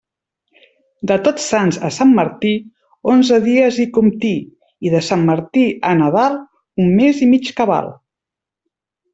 De Tots Sants a Sant Martí, onze dies hi comptí, i de Sant Martí a Nadal, un mes i mig cabal.